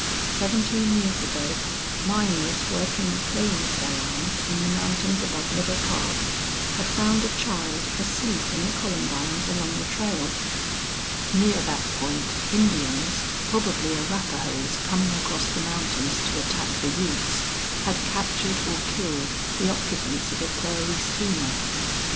Seventeen years ago miners working a claim of Belllounds's in the mountains above Middle Park had found a child asleep in the columbines along the trail. Near that point Indians, probably Arapahoes coming across the mountains to attack the Utes, had captured or killed the occupants of a prairie schooner.